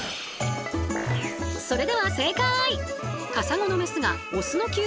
それでは正解！